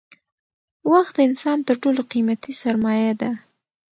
وخت د انسان تر ټولو قیمتي سرمایه ده